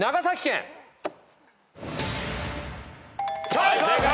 はい正解。